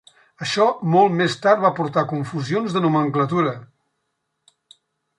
Això molt més tard va portar confusions de nomenclatura.